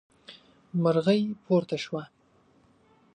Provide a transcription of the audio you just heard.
مرغۍ پورته شوه.